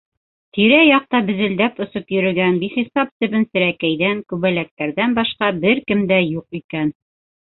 Тирә-яҡта безелдәп осоп йөрөгән бихисап себен-серәкәйҙән, күбәләктәрҙән башҡа бер кем юҡ икән.